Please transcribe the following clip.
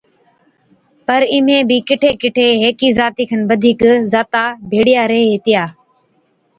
پر اِمھين بِي ڪِٺي ڪِٺي ھيڪي ذاتي کن بڌِيڪ ذاتا ڀيڙِيا ريھي ھِتيا